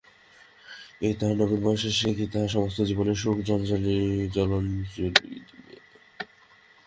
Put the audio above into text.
এই তাহার নবীন বয়সে সে কি তাহার সমস্ত জীবনের সুখ জলাঞ্জলি দিবে?